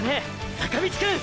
坂道くん！！